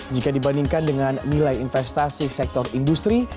jika dibandingkan dengan nilai investasi sektor industri